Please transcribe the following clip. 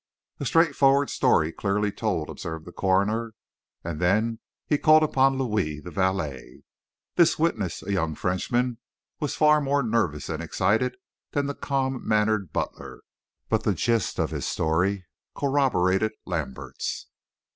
"A straightforward story, clearly told," observed the coroner, and then he called upon Louis, the valet. This witness, a young Frenchman, was far more nervous and excited than the calm mannered butler, but the gist of his story corroborated Lambert's.